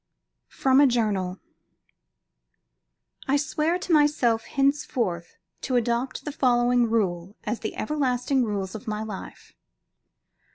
FROM A JOURNAL I swear to myself henceforth to adopt the following rules as the everlasting rules of my life....